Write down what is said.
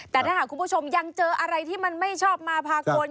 แต่ถ้าหากคุณผู้ชมยังเจออะไรที่มันไม่ชอบมาพากล